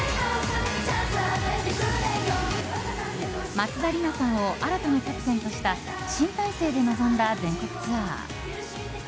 松田里奈さんを新たなキャプテンとした新体制で臨んだ全国ツアー。